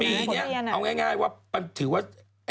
ปีนี้เอาง่ายว่าถือว่า